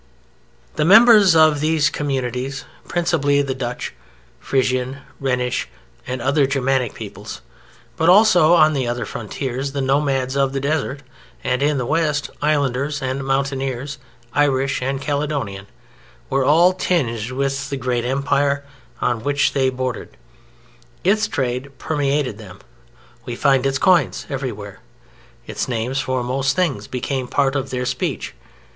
The members of these communities (principally the Dutch, Frisian, Rhenish and other Germanic peoples, but also on the other frontiers, the nomads of the desert, and in the West, islanders and mountaineers, Irish and Caledonian) were all tinged with the great Empire on which they bordered. Its trade permeated them. We find its coins everywhere. Its names for most things became part of their speech.